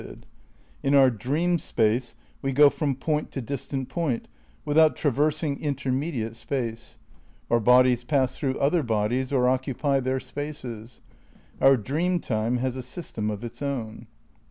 Dream In our Dream Space we go from point to distant ^g*" point without traversing intermediate space. Our bodies pass through other bodies or occupy their spaces. Our Dream Time has a system of its own.